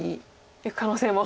いく可能性も。